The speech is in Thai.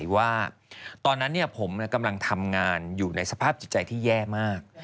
ว่าตอนนั้นผมกำลังทำงานอยู่ในสภาพจิตใจที่แย่มาก